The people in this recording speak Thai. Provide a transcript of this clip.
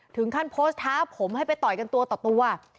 ถึงขั้นโพสต์ท้าผมให้ไปต่อยกันตัวต่อตัว